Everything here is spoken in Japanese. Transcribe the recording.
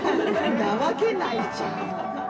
んなわけないじゃん！